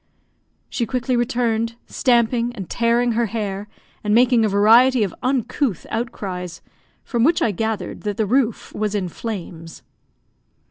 She quickly returned, stamping and tearing her hair, and making a variety of uncouth outcries, from which I gathered that the roof was in flames.